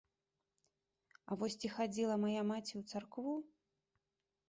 А вось ці хадзіла мая маці ў царкву?